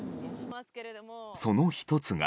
その１つが。